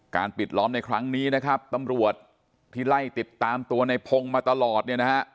ปิดล้อมในครั้งนี้นะครับตำรวจที่ไล่ติดตามตัวในพงศ์มาตลอดเนี่ยนะฮะ